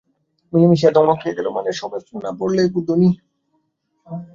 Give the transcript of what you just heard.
Militia ধমক দিয়ে গেল, মানে মানে সরে না পড়লে খাবে গুলি।